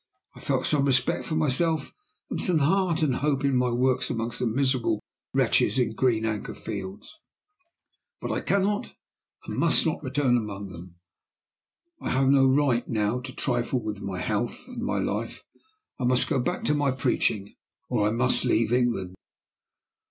I felt some respect for myself, and some heart and hope in my works among the miserable wretches in Green Anchor Fields. But I can not, and must not, return among them: I have no right, now, to trifle with my health and my life. I must go back to my preaching, or I must leave England.